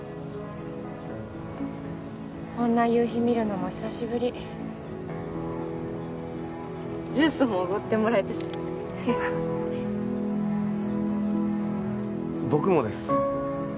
こんな夕日見るのも久しぶりジュースもおごってもらえたし僕もです